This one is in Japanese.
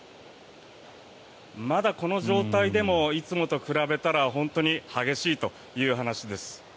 まだこの状態でもいつもと比べたら本当に激しいという話です。